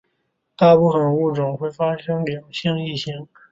大部份物种会发生两性异形。